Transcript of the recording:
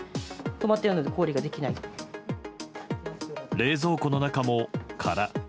冷蔵庫の中も空。